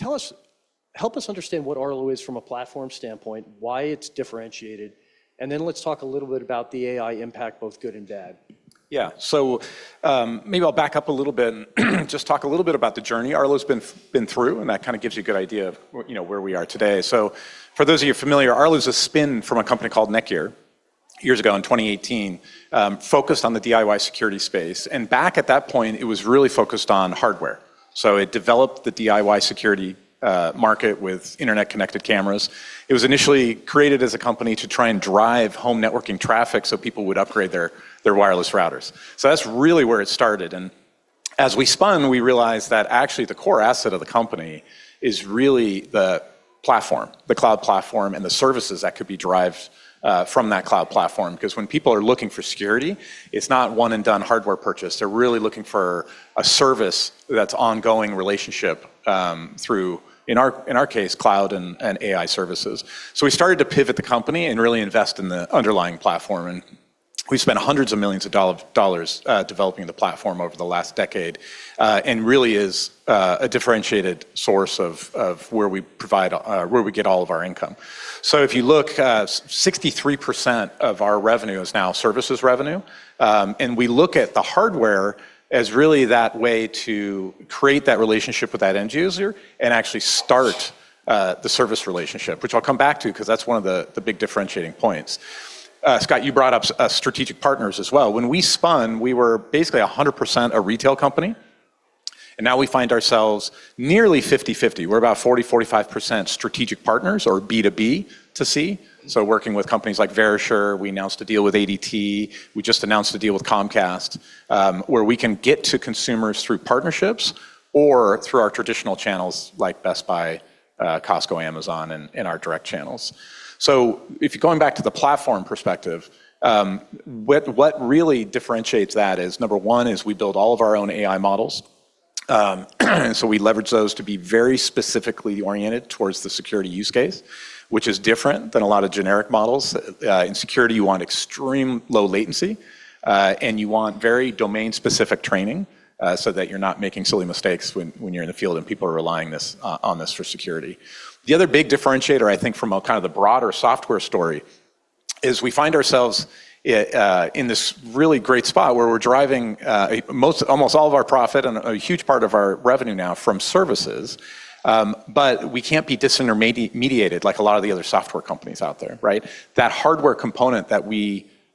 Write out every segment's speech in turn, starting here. Yeah. Help us understand what Arlo is from a platform standpoint, why it's differentiated, and then let's talk a little bit about the AI impact, both good and bad. Yeah. Maybe I'll back up a little bit and just talk a little bit about the journey Arlo's been through, and that kinda gives you a good idea of you know, where we are today. For those of you familiar, Arlo's a spin from a company called NETGEAR years ago in 2018, focused on the DIY security space. Back at that point, it was really focused on hardware. It developed the DIY security market with internet-connected cameras. It was initially created as a company to try and drive home networking traffic, so people would upgrade their wireless routers. That's really where it started. As we spun, we realized that actually the core asset of the company is really the platform, the cloud platform, and the services that could be derived from that cloud platform. 'Cause when people are looking for security, it's not one-and-done hardware purchase. They're really looking for a service that's ongoing relationship through in our case cloud and AI services. We started to pivot the company and really invest in the underlying platform, and we spent hundreds of millions of dollars developing the platform over the last decade. It really is a differentiated source of where we provide where we get all of our income. If you look, 63% of our revenue is now services revenue. We look at the hardware as really that way to create that relationship with that end user and actually start the service relationship, which I'll come back to 'cause that's one of the big differentiating points. Scott, you brought up strategic partners as well. When we spun, we were basically 100% a retail company, and now we find ourselves nearly 50/50. We're about 40%-45% strategic partners or B2B2C, working with companies like Verisure. We announced a deal with ADT. We just announced a deal with Comcast, where we can get to consumers through partnerships or through our traditional channels like Best Buy, Costco, Amazon, and our direct channels. If you're going back to the platform perspective, what really differentiates that is, number one, we build all of our own AI models. And we leverage those to be very specifically oriented towards the security use case, which is different than a lot of generic models. In security, you want extreme low latency, and you want very domain-specific training, so that you're not making silly mistakes when you're in the field and people are relying on this for security. The other big differentiator, I think, from kind of the broader software story is we find ourselves in this really great spot where we're deriving almost all of our profit and a huge part of our revenue now from services, but we can't be disintermediated like a lot of the other software companies out there, right? That hardware component that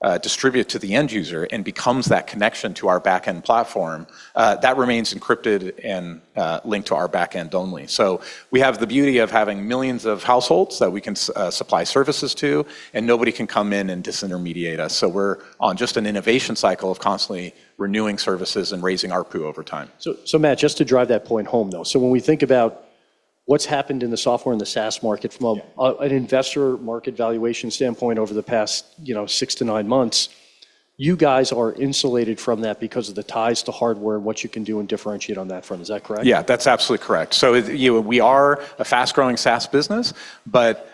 we distribute to the end user and becomes that connection to our back-end platform, that remains encrypted and linked to our back end only. We have the beauty of having millions of households that we can supply services to, and nobody can come in and disintermediate us. We're on just an innovation cycle of constantly renewing services and raising ARPU over time. Matt, just to drive that point home, though. When we think about what's happened in the software and the SaaS market from a- Yeah An investor market valuation standpoint over the past, you know, six to nine months, you guys are insulated from that because of the ties to hardware and what you can do and differentiate on that front. Is that correct? Yeah, that's absolutely correct. You know, we are a fast-growing SaaS business, but,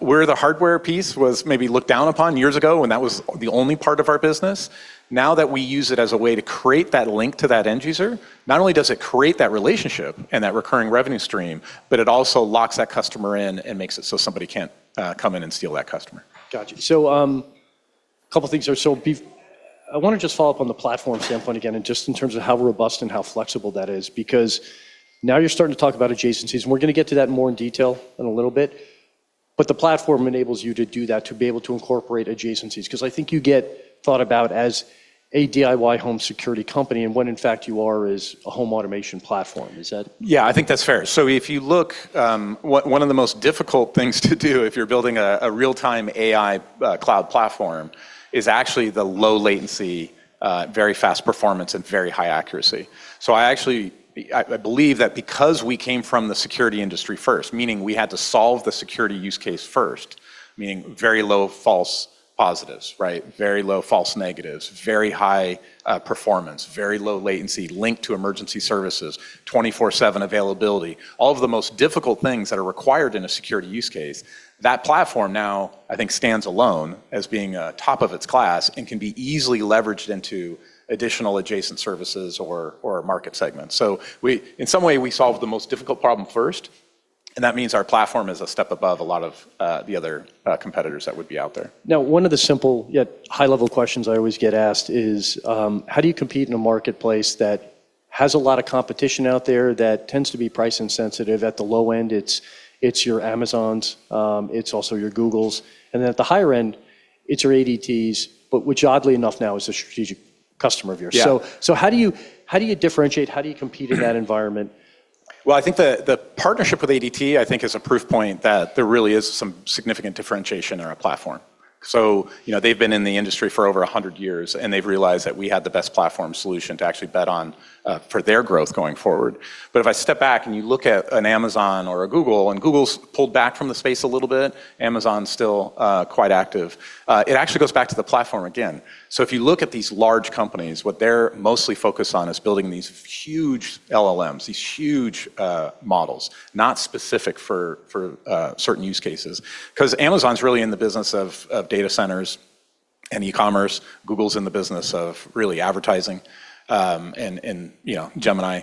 where the hardware piece was maybe looked down upon years ago when that was the only part of our business, now that we use it as a way to create that link to that end user, not only does it create that relationship and that recurring revenue stream, but it also locks that customer in and makes it so somebody can't, come in and steal that customer. Gotcha. A couple things there. I wanna just follow up on the platform standpoint again and just in terms of how robust and how flexible that is because now you're starting to talk about adjacencies, and we're gonna get to that in more detail in a little bit. The platform enables you to do that, to be able to incorporate adjacencies, 'cause I think you get thought about as a DIY home security company, and what in fact you are is a home automation platform. Is that? Yeah, I think that's fair. If you look, one of the most difficult things to do if you're building a real-time AI cloud platform is actually the low latency, very fast performance and very high accuracy. I actually believe that because we came from the security industry first, meaning we had to solve the security use case first, meaning very low false positives, right? Very low false negatives, very high performance, very low latency linked to emergency services, 24/7 availability. All of the most difficult things that are required in a security use case. That platform now, I think, stands alone as being top of its class and can be easily leveraged into additional adjacent services or market segments. In some way, we solved the most difficult problem first, and that means our platform is a step above a lot of the other competitors that would be out there. Now, one of the simple yet high-level questions I always get asked is, how do you compete in a marketplace that has a lot of competition out there that tends to be price insensitive? At the low end, it's your Amazon, it's also your Google, and then at the higher end, it's your ADT, but which oddly enough now is a strategic customer of yours. Yeah. How do you differentiate? How do you compete in that environment? Well, I think the partnership with ADT, I think, is a proof point that there really is some significant differentiation in our platform. You know, they've been in the industry for over 100 years, and they've realized that we had the best platform solution to actually bet on for their growth going forward. If I step back and you look at an Amazon or a Google, and Google's pulled back from the space a little bit. Amazon's still quite active. It actually goes back to the platform again. If you look at these large companies, what they're mostly focused on is building these huge LLMs, these huge models, not specific for certain use cases. Because Amazon's really in the business of data centers and e-commerce, Google's in the business of really advertising, and you know, Gemini,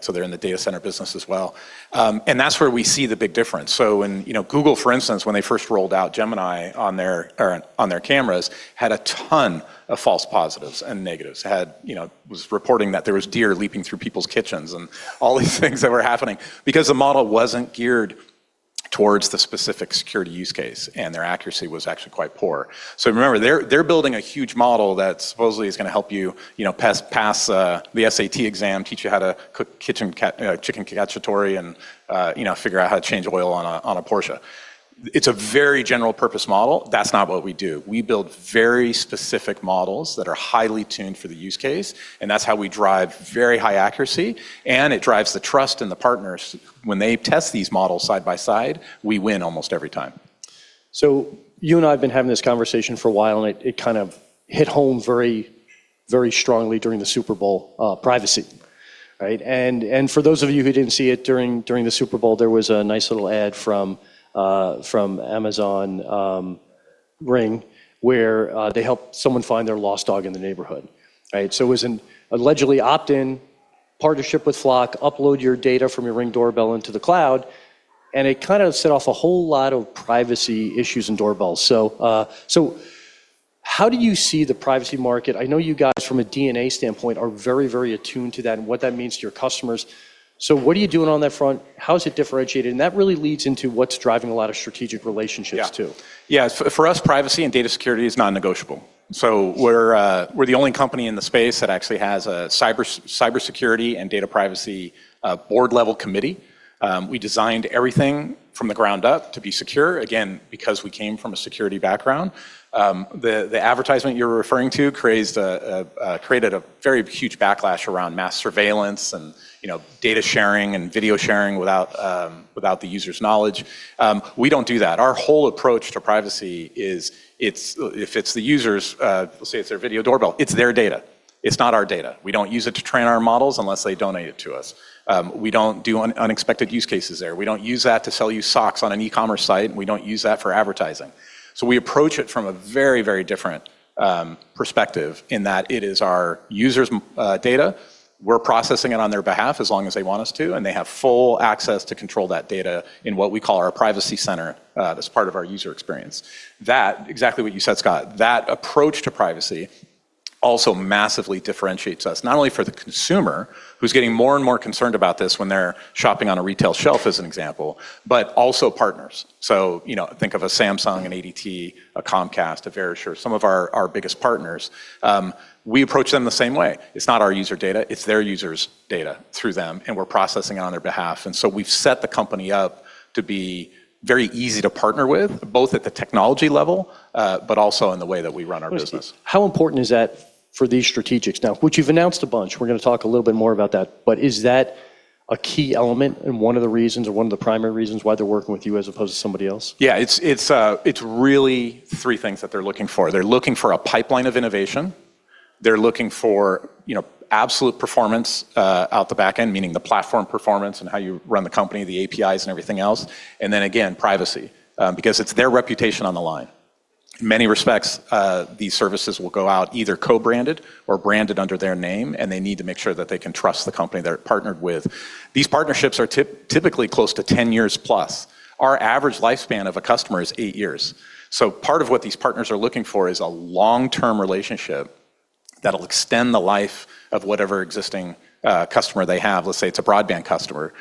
so they're in the data center business as well. That's where we see the big difference. When you know, Google, for instance, when they first rolled out Gemini on their cameras, had a ton of false positives and negatives, was reporting that there was deer leaping through people's kitchens and all these things that were happening because the model wasn't geared towards the specific security use case, and their accuracy was actually quite poor. Remember, they're building a huge model that supposedly is gonna help you know, pass the SAT exam, teach you how to cook chicken cacciatore, and, you know, figure out how to change oil on a Porsche. It's a very general purpose model. That's not what we do. We build very specific models that are highly tuned for the use case, and that's how we drive very high accuracy, and it drives the trust in the partners. When they test these models side by side, we win almost every time. You and I have been having this conversation for a while, and it kind of hit home very strongly during the Super Bowl, privacy, right? For those of you who didn't see it during the Super Bowl, there was a nice little ad from Amazon Ring where they helped someone find their lost dog in the neighborhood, right? It was an allegedly opt-in partnership with Flock, upload your data from your Ring doorbell into the cloud, and it kinda set off a whole lot of privacy issues and doorbells. How do you see the privacy market? I know you guys from a DNA standpoint are very attuned to that and what that means to your customers. What are you doing on that front? How is it differentiated? That really leads into what's driving a lot of strategic relationships too. Yeah. Yeah. For us, privacy and data security is non-negotiable. We're the only company in the space that actually has a cybersecurity and data privacy board level committee. We designed everything from the ground up to be secure, again, because we came from a security background. The advertisement you're referring to created a very huge backlash around mass surveillance and, you know, data sharing and video sharing without the user's knowledge. We don't do that. Our whole approach to privacy is it's, if it's the user's, let's say it's their video doorbell, it's their data. It's not our data. We don't use it to train our models unless they donate it to us. We don't do unexpected use cases there. We don't use that to sell you socks on an e-commerce site, and we don't use that for advertising. We approach it from a very, very different perspective in that it is our users' data. We're processing it on their behalf as long as they want us to, and they have full access to control that data in what we call our privacy center, that's part of our user experience. That, exactly what you said, Scott, that approach to privacy also massively differentiates us, not only for the consumer, who's getting more and more concerned about this when they're shopping on a retail shelf, as an example, but also partners. You know, think of a Samsung, an ADT, a Comcast, a Verisure, some of our biggest partners. We approach them the same way. It's not our user data. It's their users' data through them, and we're processing it on their behalf. We've set the company up to be very easy to partner with, both at the technology level, but also in the way that we run our business. How important is that for these strategics? Now, which you've announced a bunch. We're gonna talk a little bit more about that, but is that a key element and one of the reasons or one of the primary reasons why they're working with you as opposed to somebody else? Yeah. It's really three things that they're looking for. They're looking for a pipeline of innovation. They're looking for, you know, absolute performance out the back end, meaning the platform performance and how you run the company, the APIs and everything else, and then again, privacy because it's their reputation on the line. In many respects, these services will go out either co-branded or branded under their name, and they need to make sure that they can trust the company they're partnered with. These partnerships are typically close to 10 years plus. Our average lifespan of a customer is eight years. Part of what these partners are looking for is a long-term relationship that'll extend the life of whatever existing customer they have, let's say it's a broadband customer,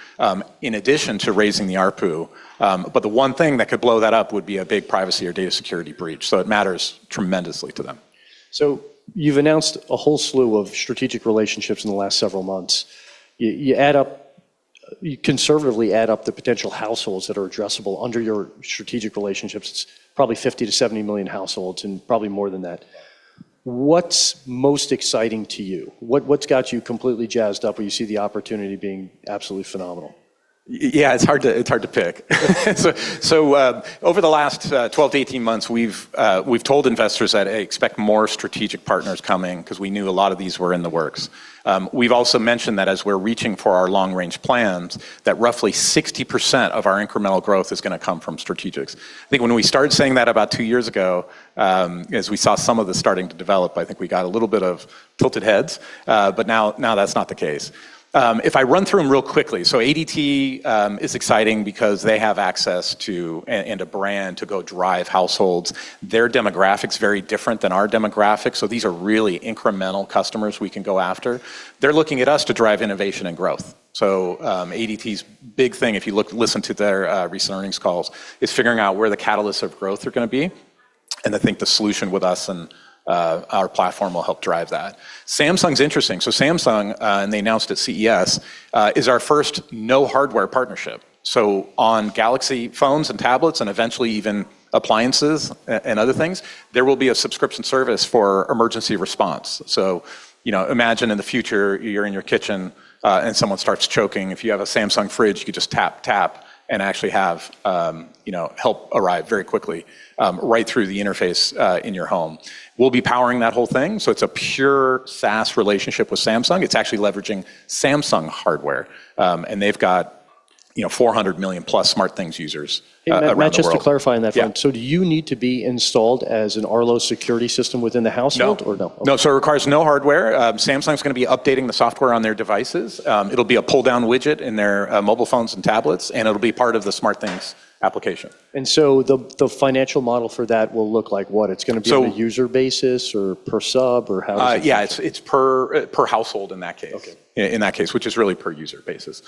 in addition to raising the ARPU. The one thing that could blow that up would be a big privacy or data security breach, so it matters tremendously to them. You've announced a whole slew of strategic relationships in the last several months. You conservatively add up the potential households that are addressable under your strategic relationships. It's probably 50 million-70 million households and probably more than that. What's most exciting to you? What's got you completely jazzed up where you see the opportunity being absolutely phenomenal? Yeah, it's hard to pick. Over the last 12-18 months, we've told investors that, "Hey, expect more strategic partners coming," 'cause we knew a lot of these were in the works. We've also mentioned that as we're reaching for our long-range plans, that roughly 60% of our incremental growth is gonna come from strategics. I think when we started saying that about two years ago, as we saw some of this starting to develop, I think we got a little bit of tilted heads, but now that's not the case. If I run through them real quickly, ADT is exciting because they have access to and a brand to go drive households. Their demographic's very different than our demographic, so these are really incremental customers we can go after. They're looking at us to drive innovation and growth. ADT's big thing, if you look, listen to their recent earnings calls, is figuring out where the catalysts of growth are gonna be, and I think the solution with us and our platform will help drive that. Samsung's interesting. Samsung, and they announced at CES, is our first no hardware partnership. On Galaxy phones and tablets and eventually even appliances and other things, there will be a subscription service for emergency response. You know, imagine in the future you're in your kitchen, and someone starts choking. If you have a Samsung fridge, you can just tap, and actually have, you know, help arrive very quickly, right through the interface in your home. We'll be powering that whole thing, so it's a pure SaaS relationship with Samsung. It's actually leveraging Samsung hardware, and they've got, you know, 400 million-plus SmartThings users around the world. Just to clarify on that front. Yeah. Do you need to be installed as an Arlo security system within the household? No or no? Okay. No, it requires no hardware. Samsung's gonna be updating the software on their devices. It'll be a pull-down widget in their mobile phones and tablets, and it'll be part of the SmartThings application. The financial model for that will look like what? It's gonna be. So- on a user basis or per sub or how does it work? Yeah, it's per household in that case. Okay. In that case, which is really per-user basis.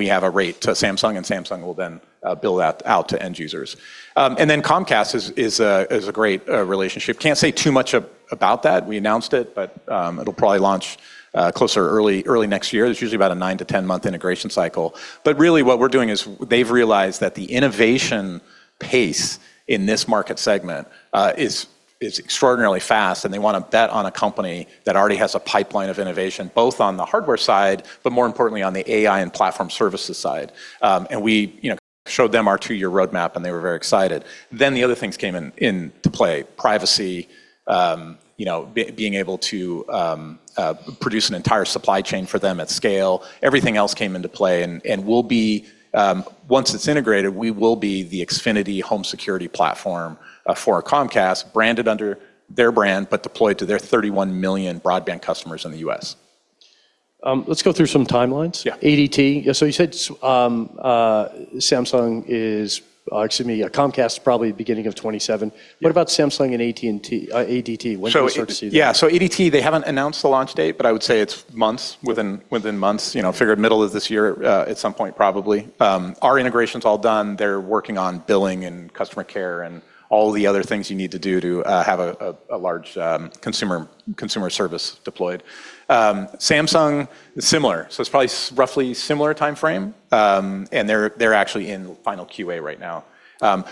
We have a rate to Samsung, and Samsung will then bill out to end users. Comcast is a great relationship. Can't say too much about that. We announced it, but it'll probably launch closer early next year. There's usually about a nine to 10-month integration cycle. Really what we're doing is they've realized that the innovation pace in this market segment is extraordinarily fast, and they wanna bet on a company that already has a pipeline of innovation, both on the hardware side, but more importantly on the AI and platform services side. We, you know, showed them our two-year roadmap, and they were very excited. The other things came into play: privacy, you know, being able to produce an entire supply chain for them at scale. Everything else came into play and, once it's integrated, we will be the Xfinity home security platform for Comcast, branded under their brand, but deployed to their 31 million broadband customers in the U.S. Let's go through some timelines. Yeah. ADT. Yeah, you said Comcast is probably beginning of 2027. Yeah. What about Samsung and ADT? When can we start to see that? ADT, they haven't announced the launch date, but I would say it's within months. You know, figure middle of this year at some point probably. Our integration's all done. They're working on billing and customer care and all the other things you need to do to have a large consumer service deployed. Samsung is similar, so it's probably roughly similar timeframe. They're actually in final QA right now.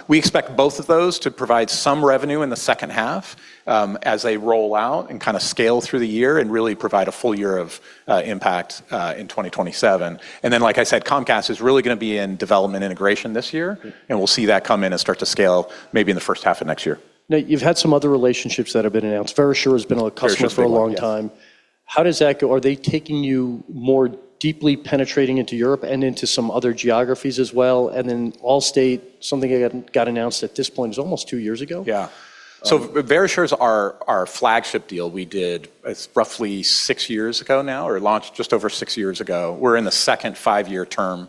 We expect both of those to provide some revenue in the second half as they roll out and kinda scale through the year and really provide a full year of impact in 2027. Like I said, Comcast is really gonna be in development integration this year. Mm-hmm. We'll see that come in and start to scale maybe in the first half of next year. Now, you've had some other relationships that have been announced. Verisure has been a customer. ...for a long time. How does that go? Are they taking you more deeply penetrating into Europe and into some other geographies as well? Then Allstate, something that got announced at this point was almost two years ago. Yeah. Um- Verisure's our flagship deal we did, roughly six years ago now or it launched just over six years ago. We're in the second five-year term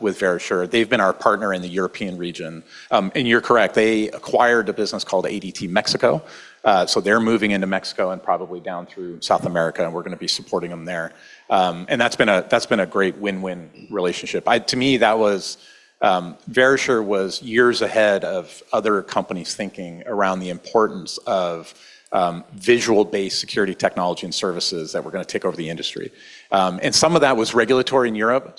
with Verisure. They've been our partner in the European region. You're correct. They acquired a business called ADT Mexico. They're moving into Mexico and probably down through South America, and we're gonna be supporting them there. That's been a great win-win relationship. To me, that was, Verisure was years ahead of other companies thinking around the importance of visual-based security technology and services that were gonna take over the industry. Some of that was regulatory in Europe.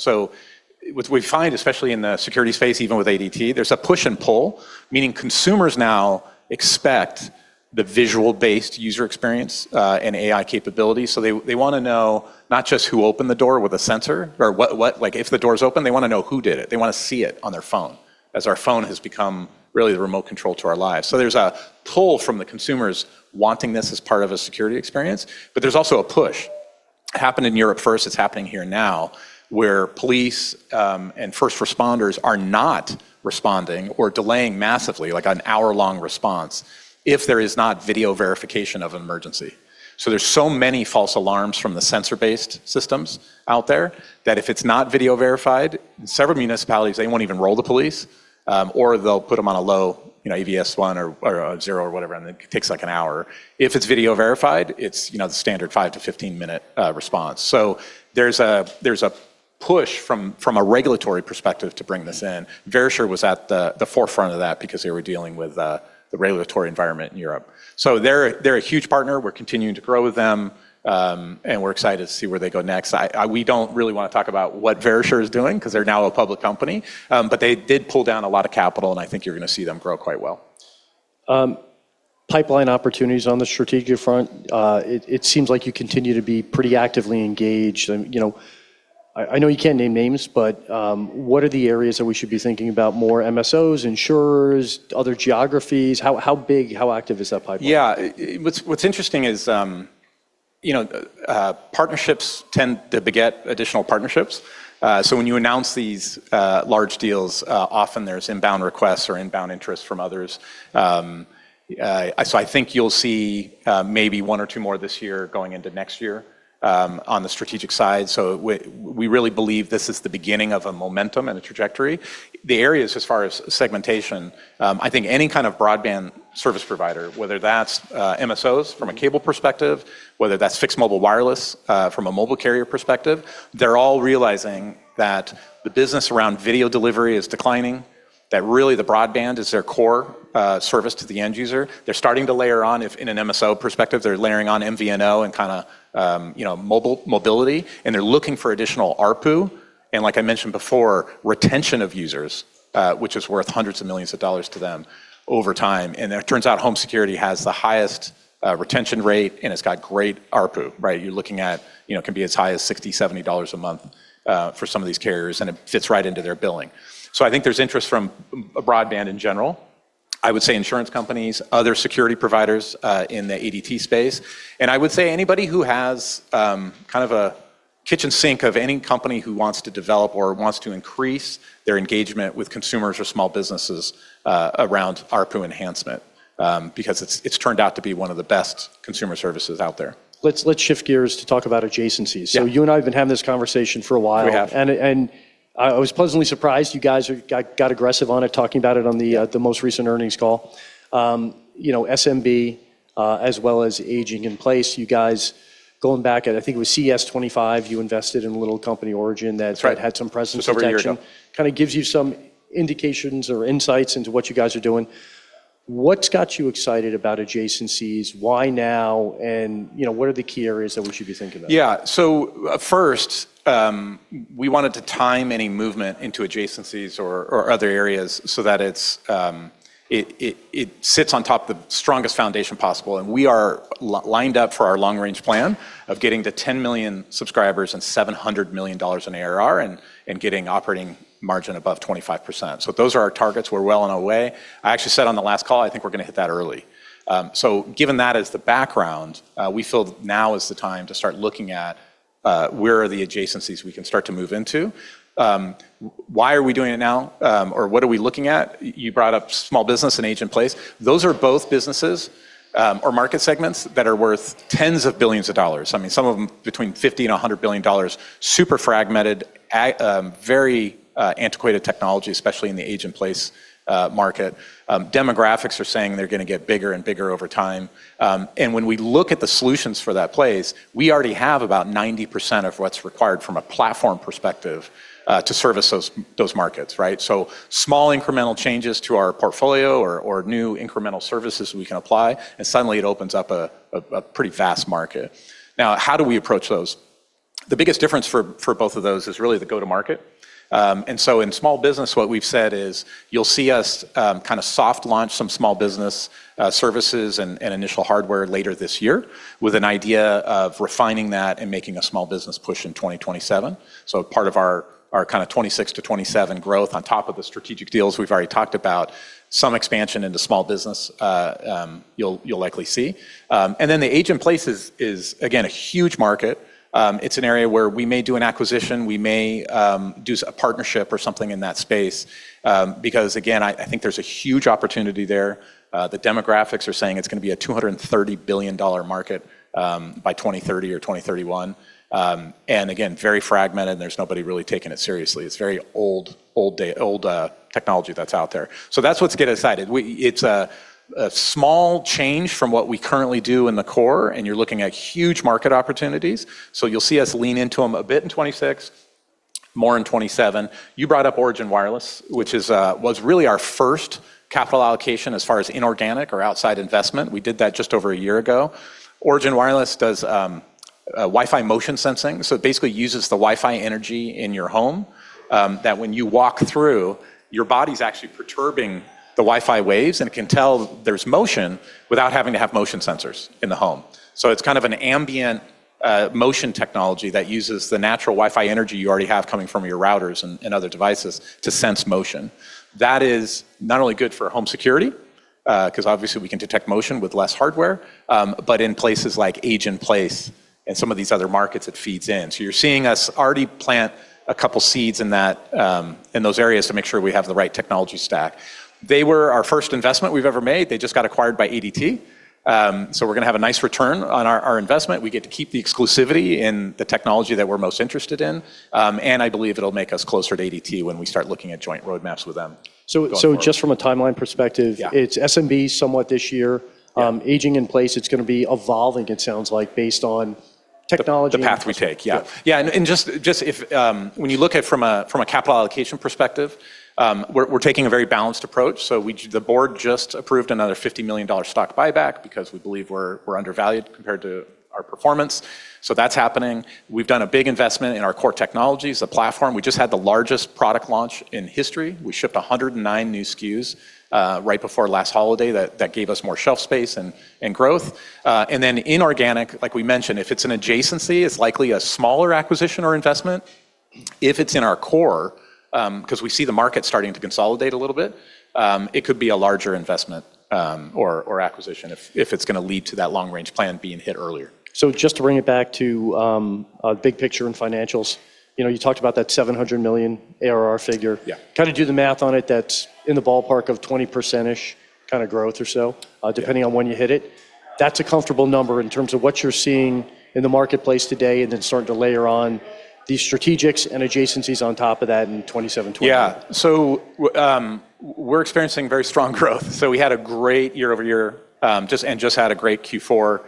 What we find, especially in the security space, even with ADT, there's a push and pull, meaning consumers now expect the visual-based user experience and AI capabilities. They wanna know not just who opened the door with a sensor or what. Like, if the door is opened, they wanna know who did it. They wanna see it on their phone, as our phone has become really the remote control to our lives. There's a pull from the consumers wanting this as part of a security experience, but there's also a push. It happened in Europe first. It's happening here now, where police and first responders are not responding or delaying massively, like an hour-long response, if there is not video verification of an emergency. There's so many false alarms from the sensor-based systems out there that if it's not video verified, several municipalities, they won't even roll the police, or they'll put them on a low, you know, EVS one or zero or whatever, and it takes like an hour. If it's video verified, it's, you know, the standard five to 15-minute response. There's a push from a regulatory perspective to bring this in. Verisure was at the forefront of that because they were dealing with the regulatory environment in Europe. They're a huge partner. We're continuing to grow with them, and we're excited to see where they go next. We don't really wanna talk about what Verisure is doing 'cause they're now a public company. They did pull down a lot of capital, and I think you're gonna see them grow quite well. Pipeline opportunities on the strategic front. It seems like you continue to be pretty actively engaged. You know, I know you can't name names, but what are the areas that we should be thinking about more? MSOs, insurers, other geographies? How big, how active is that pipeline? Yeah. What's interesting is, you know, partnerships tend to beget additional partnerships. When you announce these large deals, often there's inbound requests or inbound interest from others. I think you'll see maybe one or two more this year going into next year, on the strategic side. We really believe this is the beginning of a momentum and a trajectory. The areas as far as segmentation, I think any kind of broadband service provider, whether that's MSOs from a cable perspective, whether that's fixed mobile wireless, from a mobile carrier perspective, they're all realizing that the business around video delivery is declining, that really the broadband is their core service to the end user. They're starting to layer on. In an MSO perspective, they're layering on MVNO and kinda, you know, mobile mobility, and they're looking for additional ARPU, and like I mentioned before, retention of users, which is worth hundreds of millions of dollars to them over time. It turns out home security has the highest retention rate, and it's got great ARPU, right? You're looking at, you know, it can be as high as $60-$70 a month for some of these carriers, and it fits right into their billing. I think there's interest from broadband in general. I would say insurance companies, other security providers, in the ADT space, and I would say anybody who has, kind of a kitchen sink of any company who wants to develop or wants to increase their engagement with consumers or small businesses, around ARPU enhancement, because it's turned out to be one of the best consumer services out there. Let's shift gears to talk about adjacencies. Yeah. You and I have been having this conversation for a while. We have. I was pleasantly surprised you guys got aggressive on it, talking about it on the- Yeah... the most recent earnings call. You know, SMB, as well as aging in place, you guys going back, I think it was CES 2025, you invested in a little company Origin that- That's right. had some presence Just over a year ago.... kind of gives you some indications or insights into what you guys are doing. What's got you excited about adjacencies? Why now? You know, what are the key areas that we should be thinking of? Yeah. First, we wanted to time any movement into adjacencies or other areas so that it sits on top of the strongest foundation possible. We are lined up for our long range plan of getting to 10 million subscribers and $700 million in ARR and getting operating margin above 25%. Those are our targets. We're well on our way. I actually said on the last call, I think we're gonna hit that early. Given that as the background, we feel now is the time to start looking at where are the adjacencies we can start to move into. Why are we doing it now, or what are we looking at? You brought up small business and age in place. Those are both businesses or market segments that are worth tens of billions of dollars. I mean, some of them between $50 billion and $100 billion. Super fragmented. A very antiquated technology, especially in the aging in place market. Demographics are saying they're gonna get bigger and bigger over time. When we look at the solutions for aging in place, we already have about 90% of what's required from a platform perspective to service those markets, right? Small incremental changes to our portfolio or new incremental services we can apply, and suddenly it opens up a pretty vast market. Now, how do we approach those? The biggest difference for both of those is really the go-to-market. In small business, what we've said is you'll see us kind of soft launch some small business services and initial hardware later this year with an idea of refining that and making a small business push in 2027. Part of our kind of 2026 to 2027 growth on top of the strategic deals we've already talked about, some expansion into small business, you'll likely see. The aging in place is again a huge market. It's an area where we may do an acquisition. We may do a partnership or something in that space because again, I think there's a huge opportunity there. The demographics are saying it's gonna be a $230 billion market by 2030 or 2031. Again, very fragmented and there's nobody really taking it seriously. It's very old technology that's out there. That's what's getting us excited. It's a small change from what we currently do in the core, and you're looking at huge market opportunities. You'll see us lean into them a bit in 2026, more in 2027. You brought up Origin Wireless, which was really our first capital allocation as far as inorganic or outside investment. We did that just over a year ago. Origin Wireless does Wi-Fi motion sensing. It basically uses the Wi-Fi energy in your home that when you walk through, your body's actually perturbing the Wi-Fi waves and can tell there's motion without having to have motion sensors in the home. It's kind of an ambient motion technology that uses the natural Wi-Fi energy you already have coming from your routers and other devices to sense motion. That is not only good for home security, 'cause obviously we can detect motion with less hardware, but in places like aging in place and some of these other markets it feeds in. You're seeing us already plant a couple seeds in that, in those areas to make sure we have the right technology stack. They were our first investment we've ever made. They just got acquired by ADT. We're gonna have a nice return on our investment. We get to keep the exclusivity in the technology that we're most interested in. I believe it'll make us closer to ADT when we start looking at joint roadmaps with them going forward. Just from a timeline perspective. Yeah It's SMB somewhat this year. Yeah. Aging in place, it's gonna be evolving, it sounds like, based on technology. The path we take. Yeah. Yeah. When you look at it from a capital allocation perspective, we're taking a very balanced approach. The board just approved another $50 million stock buyback because we believe we're undervalued compared to our performance. That's happening. We've done a big investment in our core technologies, the platform. We just had the largest product launch in history. We shipped 109 new SKUs right before last holiday. That gave us more shelf space and growth. Then inorganic, like we mentioned, if it's an adjacency, it's likely a smaller acquisition or investment. If it's in our core, 'cause we see the market starting to consolidate a little bit, it could be a larger investment, or acquisition if it's gonna lead to that long-range plan being hit earlier. Just to bring it back to big picture and financials, you know, you talked about that $700 million ARR figure. Yeah. Kind of do the math on it. That's in the ballpark of 20%-ish kinda growth or so. Yeah depending on when you hit it. That's a comfortable number in terms of what you're seeing in the marketplace today and then starting to layer on the strategics and adjacencies on top of that in 2027-2028. We're experiencing very strong growth. We had a great year-over-year and had a great Q4.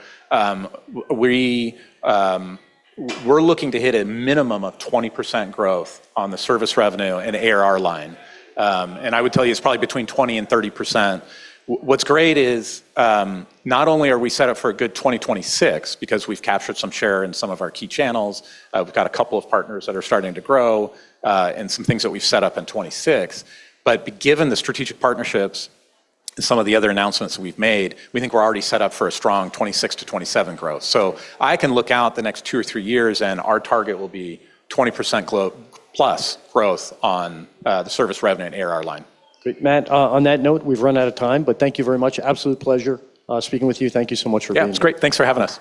We're looking to hit a minimum of 20% growth on the service revenue and ARR line. I would tell you it's probably between 20% and 30%. What's great is, not only are we set up for a good 2026 because we've captured some share in some of our key channels, we've got a couple of partners that are starting to grow, and some things that we've set up in 2026, but given the strategic partnerships and some of the other announcements we've made, we think we're already set up for a strong 2026-2027 growth. I can look out the next two or three years, and our target will be 20% plus growth on the service revenue and ARR line. Great. Matt, on that note, we've run out of time, but thank you very much. Absolute pleasure, speaking with you. Thank you so much for being here. Yeah, it was great. Thanks for having us.